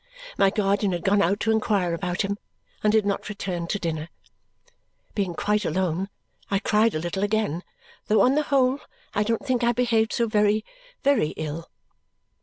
My guardian had gone out to inquire about him and did not return to dinner. Being quite alone, I cried a little again, though on the whole I don't think I behaved so very, very ill.